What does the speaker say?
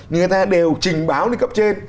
người ta đều trình báo như cấp trên